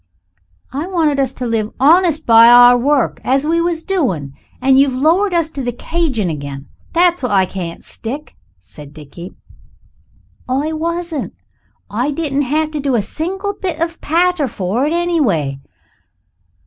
"I wanted us to live honest by our work we was doing it. And you've lowered us to the cadgin' again. That's what I can't stick," said Dickie. "It wasn't. I didn't have to do a single bit of patter for it anyhow.